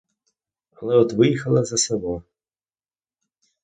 Але от виїхали за село.